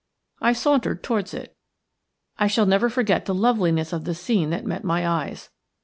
I sauntered towards it. I shall never forget the loveliness of the scene that met my eyes.